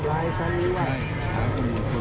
กรุงเทพครับ